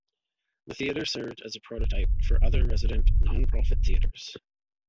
The theater served as a prototype for other resident non-profit theaters.